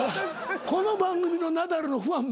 この番組のナダルのファン